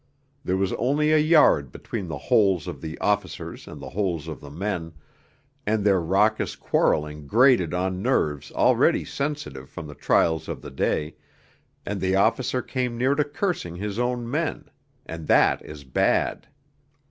There was only a yard between the holes of the officers and the holes of the men, and their raucous quarrelling grated on nerves already sensitive from the trials of the day, and the officer came near to cursing his own men; and that is bad.